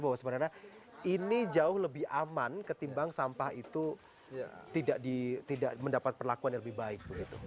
bahwa sebenarnya ini jauh lebih aman ketimbang sampah itu tidak mendapat perlakuan yang lebih baik